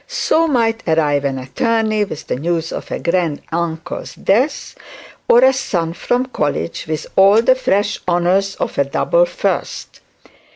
So might arrive an attorney with the news of a granduncle's death, or a son from college with all the fresh honours of a double first.